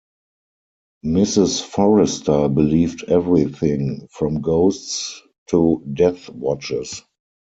Mrs Forrester believed everything, from ghosts to death-watches.